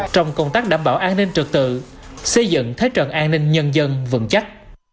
trong công tác đảm bảo an ninh trật tự xây dựng thế trận an ninh nhân dân vững chắc